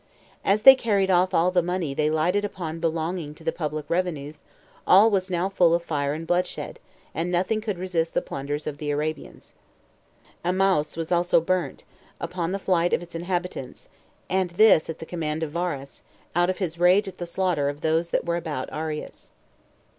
As they carried off all the money they lighted upon belonging to the public revenues, all was now full of fire and blood shed, and nothing could resist the plunders of the Arabians. Emnaus was also burnt, upon the flight of its inhabitants, and this at the command of Varus, out of his rage at the slaughter of those that were about Arias.